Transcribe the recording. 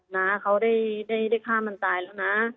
น้าเขาได้ฆ่ามันตายแล้วนะ